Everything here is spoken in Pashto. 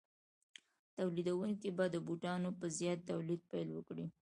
تولیدونکي به د بوټانو په زیات تولید پیل وکړي